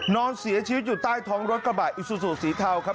นอนเสียชีวิตอยู่ใต้ท้องรถกระบะอิซูซูสีเทาครับ